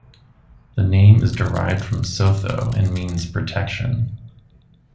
The name is derived from Sotho and means 'protection'.